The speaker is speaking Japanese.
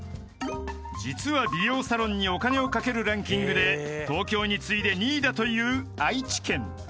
［実は美容サロンにお金をかけるランキングで東京に次いで２位だという愛知県］